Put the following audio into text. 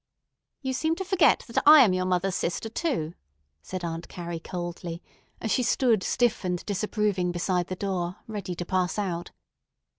"You seem to forget that I am your mother's sister, too," said Aunt Carrie coldly, as she stood stiff and disapproving beside the door, ready to pass out.